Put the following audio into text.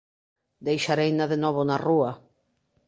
"Deixareina de novo na rúa!"